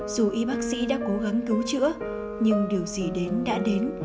dù y bác sĩ đã cố gắng cứu chữa nhưng điều gì đến đã đến